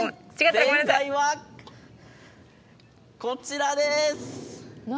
正解はこちらです。